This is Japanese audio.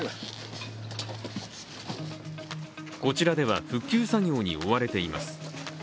こちらでは、復旧作業に追われています。